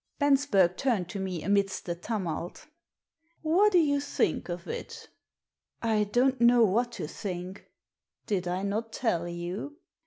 Bensberg turned to me amidst the tumult « What do you think of it ?"I don't know what to think." "Did I not tell you?"